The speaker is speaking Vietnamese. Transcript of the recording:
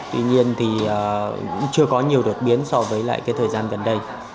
tuy nhiên chưa có nhiều được biến so với thời gian gần đây